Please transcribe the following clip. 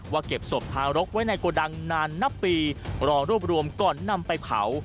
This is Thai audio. เก็บศพทารกไว้ในโกดังนานนับปีรอรวบรวมก่อนนำไปเผา